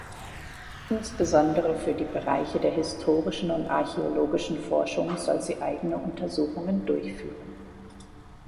Insbesondere für die Bereiche der historischen und archäologischen Forschungen soll sie eigene Untersuchungen durchführen.